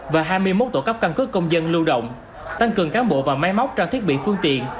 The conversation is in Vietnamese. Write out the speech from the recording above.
và hai mươi một tổ cấp căn cước công dân lưu động tăng cường cán bộ và máy móc trang thiết bị phương tiện